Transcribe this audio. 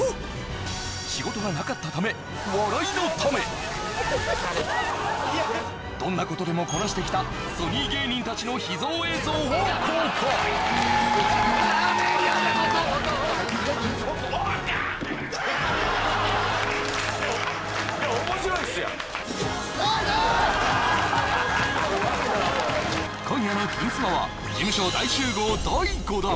仕事がなかったため笑いのためどんなことでもこなしてきたソニー芸人たちの秘蔵映像を公開今夜の「金スマ」は事務所大集合第５弾！